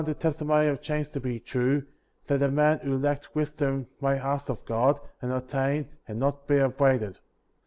testimony of James to be true, that a man who lacked wisdom might ask of God, and obtain, and not be upbraided.